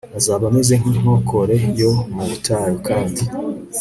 Azaba ameze nk inkok re yo mu butayu kandi